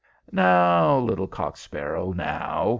"Now, little cock sparrow, now!"